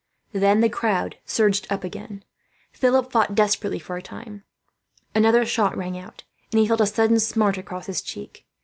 Then the crowd surged up again. Philip fought desperately for a time. Another shot rang out, and he felt a sudden smart across his cheek.